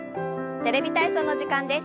「テレビ体操」の時間です。